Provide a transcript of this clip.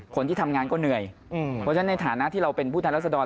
คนที่ทำงานก็เหนื่อยเพราะฉะนั้นในฐานะที่เราเป็นผู้แทนรัศดร